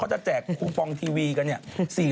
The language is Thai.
แล้วจะแจกกูปองเทีวีกัน๔๗๘๐๐๐๐ไบใบ